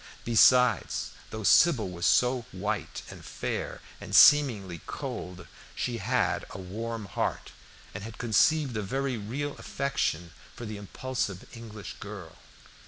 Besides, though Sybil was so white and fair, and seemingly cold, she had a warm heart, and had conceived a very real affection for the impulsive English girl.